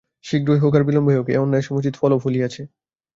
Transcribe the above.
শীঘ্রই হউক আর বিলম্বেই হউক, এ অন্যায়ের সমুচিত ফলও ফলিয়াছে।